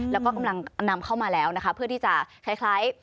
แล้วก็กำลังนำเข้ามาแล้วนะคะเพื่อที่จะคล้าย